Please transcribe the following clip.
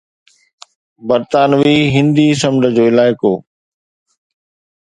برطانوي هندي سمنڊ جو علائقو